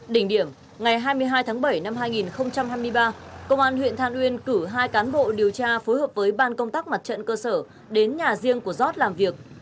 đỉnh điểm ngày hai mươi hai tháng bảy năm hai nghìn hai mươi ba công an huyện than uyên cử hai cán bộ điều tra phối hợp với ban công tác mặt trận cơ sở đến nhà riêng của giót làm việc